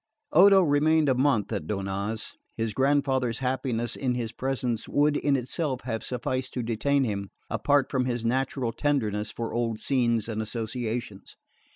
Odo remained a month at Donnaz. His grandfather's happiness in his presence would in itself have sufficed to detain him, apart from his natural tenderness for old scenes and associations.